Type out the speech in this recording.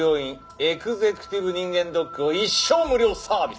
エグゼクティブ人間ドックを一生無料サービス！